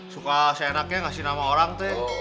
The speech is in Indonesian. suka seenaknya ngasih nama orang tuh